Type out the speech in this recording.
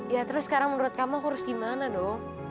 ya terus sekarang menurut kamu aku harus gimana dong